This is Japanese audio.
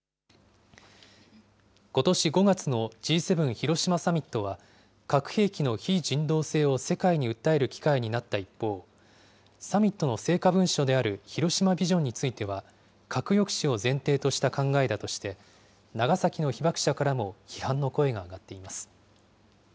ことし５月のＧ７広島サミットは、核兵器の非人道性を世界に訴える機会になった一方、サミットの成果文書である広島ビジョンについては、核抑止を前提とした考えだとして、長崎の被爆者からも批判の声が上がっています。